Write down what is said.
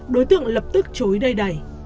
đối tượng lập tức chối đầy đẩy